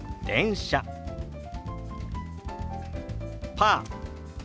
「パー」。